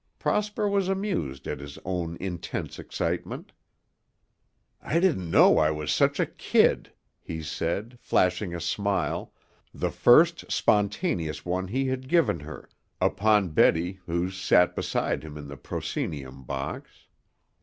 Prosper was amused at his own intense excitement. "I didn't know I was still such a kid," he said, flashing a smile, the first spontaneous one he had given her, upon Betty who sat beside him in the proscenium box.